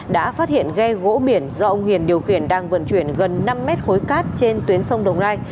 đã phát hiện ghe gỗ biển do ông hiền điều khiển đang vận chuyển gần năm mét khối cát trên tuyến sông đồng nai